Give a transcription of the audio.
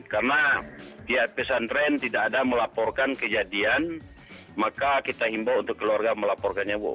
karena di pesantren tidak ada melaporkan kejadian maka kita himbau untuk keluarga melaporkannya bu